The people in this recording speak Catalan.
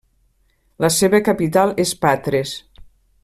La seva capital és Patres.